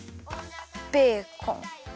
ベーコン。